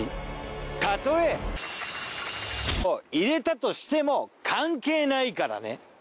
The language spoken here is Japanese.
たとえを入れたとしても関係ないからね。